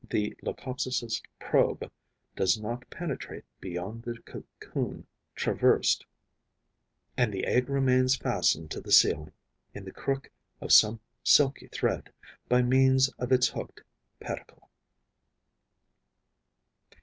The Leucopsis' probe does not penetrate beyond the cocoon traversed; and the egg remains fastened to the ceiling, in the crook of some silky thread, by means of its hooked pedicle.